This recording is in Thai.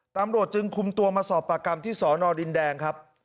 ตำรวจจึงคุมตัวมาสอบปากคำที่สอนอดินแดงครับ